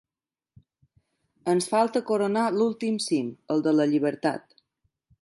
Ens falta coronar l’últim cim, el de la llibertat.